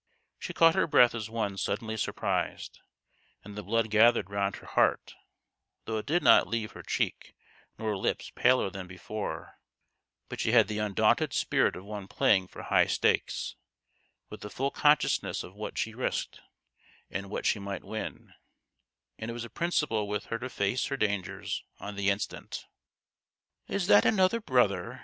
She caught her breath as one suddenly surprised, and the blood gathered round her heart though it did not leave her cheek nor lips paler than before ; but she had the undaunted spirit of one playing for high stakes, with the full consciousness of what she risked arid what she might win, and it was a principle with her to face her dangers on the instant. "Is that another brother?"